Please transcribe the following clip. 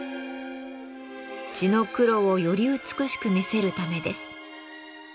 地の黒をより美しく見せるためです。